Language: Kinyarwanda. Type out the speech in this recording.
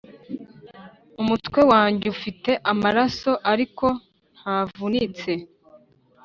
umutwe wanjye ufite amaraso, ariko ntavunitse.